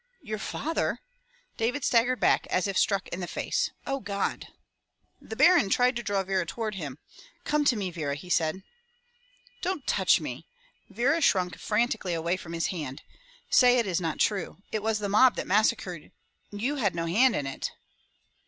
"Your father!" — David staggered back as if struck in the face. "O God!" The Baron tried to draw Vera toward him. "Come to me, Vera," he said. "Don't touch me!" Vera shrunk frantically away from his hand. "Say it is not true. It was the mob that massacred — you had no hand in it."